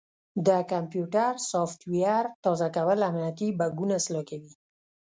د کمپیوټر سافټویر تازه کول امنیتي بګونه اصلاح کوي.